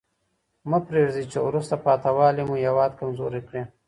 مه پرېږدئ چي وروسته پاته والي مو هېواد کمزوری کړي.